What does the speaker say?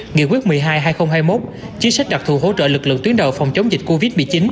nghị quyết một mươi hai hai nghìn hai mươi một chính sách đặc thù hỗ trợ lực lượng tuyến đầu phòng chống dịch covid một mươi chín